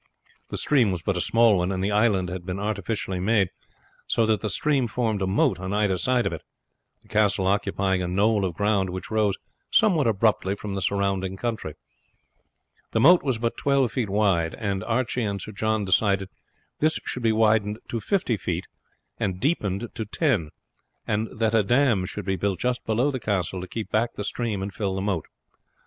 The stream was but a small one, and the island had been artificially made, so that the stream formed a moat on either side of it, the castle occupying a knoll of ground which rose somewhat abruptly from the surrounding country. The moat was but twelve feet wide, and Archie and Sir John decided that this should be widened to fifty feet and deepened to ten, and that a dam should be built just below the castle to keep back the stream and fill the moat.